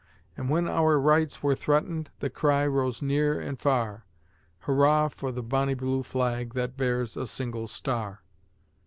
And when our rights were threatened, the cry rose near and far: Hurrah for the Bonnie Blue Flag that bears a single star!